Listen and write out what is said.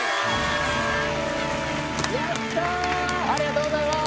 ありがとうございます。